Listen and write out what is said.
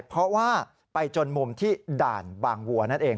เพราะว่าไปจนมุมที่ด่านบางวัวนั่นเอง